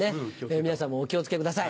皆さんもお気を付けください。